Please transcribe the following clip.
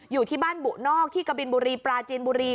อยู่ที่บ้านบุนอกที่กบินบุรีปลาจีนบุรี